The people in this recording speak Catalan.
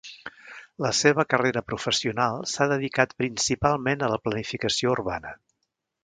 La seva carrera professional s'ha dedicat principalment a la planificació urbana.